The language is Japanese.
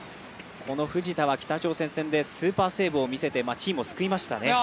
この藤田は北朝鮮戦でスーパーセーブを見せてチームを救いました。